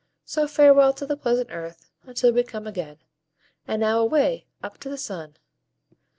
So farewell to the pleasant earth, until we come again. And now away, up to the sun!"